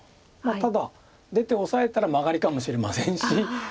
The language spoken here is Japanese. ただ出てオサえたらマガリかもしれませんし。